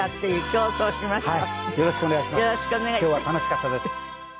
今日は楽しかったです。